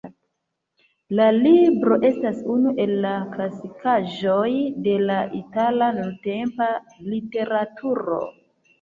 La libro estas unu el la klasikaĵoj de la itala nuntempa literaturo.